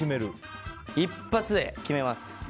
一発で決めます！